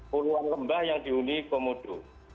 puluhan lembah yang dihuni komodo